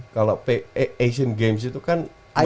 kalau asian games itu kan